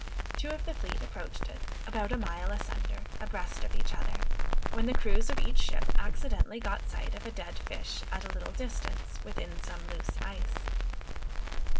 Two of the fleet approached it, about a mile assunder, abreast of each other, when the crews of each ship accidentally got sight of a dead fish at a little distance, within some loose ice.